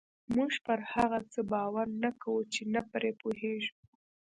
موږ پر هغه څه باور نه کوو چې نه پرې پوهېږو.